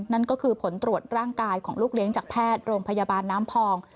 นั่นก็คือผลตรวจร่างกายของลูกเลี้ยงจากแพทย์โรงพยาบาลน้ำพอง